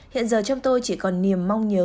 hiện giờ trong tôi chỉ còn niềm mong nhớ